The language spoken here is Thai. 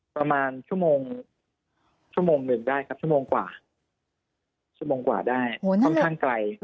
ประมาณชั่วโมงชั่วโมงหนึ่งได้ครับชั่วโมงกว่าชั่วโมงกว่าได้ค่อนข้างไกล